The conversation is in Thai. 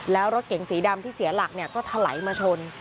แล้วรถเก๋งสีดำที่เสียหลักเนี่ยก็ถลายมาชน